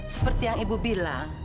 seperti yang ibu bilang